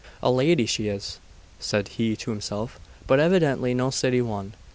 'A lady she is,' said he to himself; 'but evidently no city one.